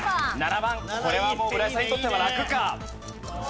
これはもう村井さんにとっては楽か？